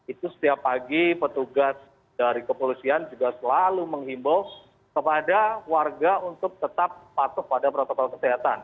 itu setiap pagi petugas dari kepolisian juga selalu menghimbau kepada warga untuk tetap patuh pada protokol kesehatan